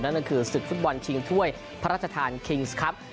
นั่นก็คือศึกฟุตบอลชิงถ้วยพระราชทานคิงส์ครับ